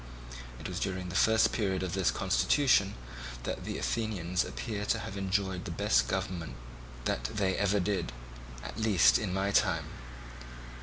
It was during the first period of this constitution that the Athenians appear to have enjoyed the best government that they ever did, at least in my time.